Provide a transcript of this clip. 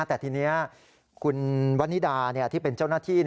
แต่ทีนี้คุณวันนิดาที่เป็นเจ้าหน้าที่